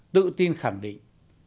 tự tin khẳng định